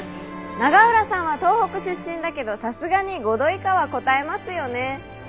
永浦さんは東北出身だけどさすがに５度以下はこたえますよね？